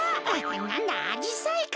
なんだアジサイか。